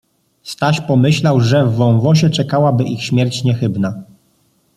Staś pomyślał, że w wąwozie czekałaby ich śmierć niechybna.